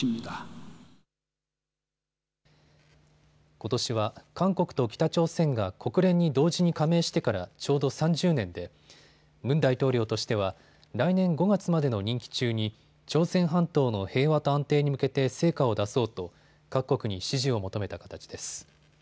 ことしは韓国と北朝鮮が国連に同時に加盟してからちょうど３０年でムン大統領としては来年５月までの任期中に朝鮮半島の平和と安定に向けて成果を出そうと各国に支持を求めた形です。